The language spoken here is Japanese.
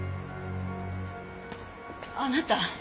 あなた